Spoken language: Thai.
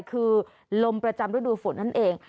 คือลมประจำฤดูฝนนั่นเอง